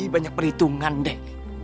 banyak perhitungan deh